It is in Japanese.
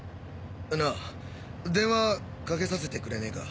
なあ電話かけさせてくれねぇか？